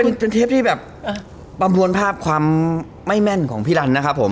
มันเป็นเทปที่แบบประมวลภาพความไม่แม่นของพี่รันนะครับผม